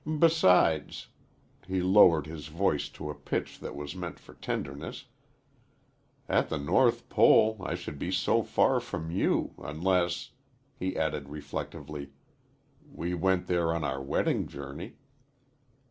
Besides" he lowered his voice to a pitch that was meant for tenderness "at the North Pole I should be so far from you unless," he added, reflectively, "we went there on our wedding journey."